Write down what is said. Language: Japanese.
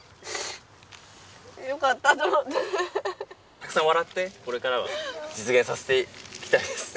たくさん笑ってこれからは実現させていきたいです。